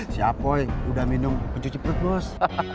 siap boy udah minum pencuci perut bos